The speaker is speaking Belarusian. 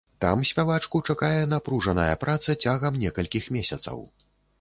Там спявачку чакае напружаная праца цягам некалькіх месяцаў.